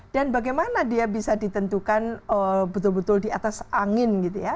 dan bagaimana dia bisa ditentukan betul betul di atas angin gitu ya